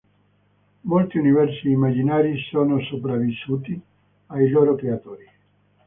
Molti universi immaginari sono sopravvissuti ai loro creatori.